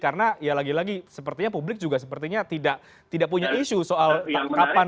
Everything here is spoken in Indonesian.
karena ya lagi lagi sepertinya publik juga sepertinya tidak punya isu soal kapan dan kapan